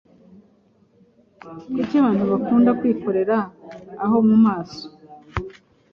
Kuki abantu dukunda kwikora aho mu maso